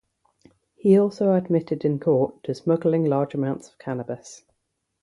He also admitted in court to smuggling large amounts of cannabis.